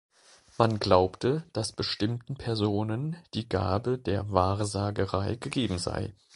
Man glaubte, dass bestimmten Personen die Gabe der Wahrsagerei gegeben sei.